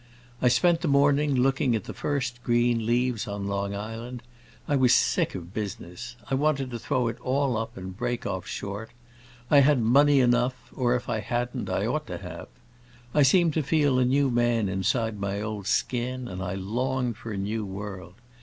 I spent the morning looking at the first green leaves on Long Island. I was sick of business; I wanted to throw it all up and break off short; I had money enough, or if I hadn't I ought to have. I seemed to feel a new man inside my old skin, and I longed for a new world.